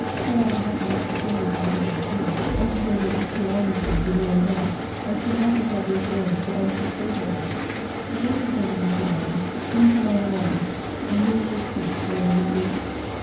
Had I the happiness to see you, my Cousin, sooner or to know that you still honoured me with your regard I should not have had the assurance to ask this favour of him. But, though the friend of Mr. Lovelace, he is a man of honour, and he will make peace rather than break it.